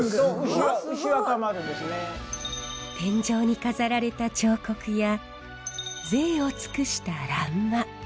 天井に飾られた彫刻やぜいを尽くした欄間。